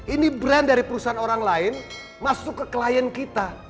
ini brand dari perusahaan orang lain masuk ke klien kita